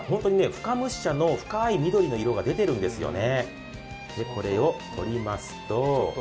深蒸し茶の深い緑の色が出てるんですよね。